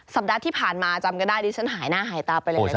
สัปดาห์ที่ผ่านมาจำกันได้ดิฉันหายหน้าหายตาไปเลยนะคะ